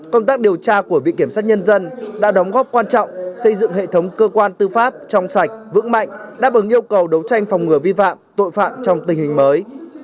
công tác điều tra của viện kiểm sát nhân dân đã đóng góp quan trọng xây dựng hệ thống cơ quan tư pháp trong sạch vững mạnh đáp ứng yêu cầu đấu tranh phòng ngừa vi phạm tội phạm trong tình hình mới